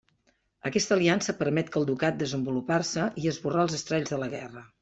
Aquesta aliança permet que al ducat desenvolupar-se i esborrar els estralls de la guerra.